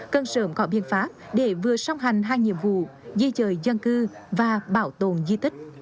cần sớm gọi biên pháp để vừa xong hành hai nhiệm vụ di rời dân cư và bảo tồn di tích